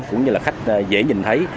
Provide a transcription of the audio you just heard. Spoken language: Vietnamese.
cũng như là khách dễ nhìn thấy